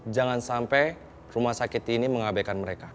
jangan sampai rumah sakit ini mengabaikan mereka